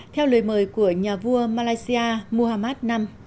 theo lời mời của nhà vua malaysia muhammad v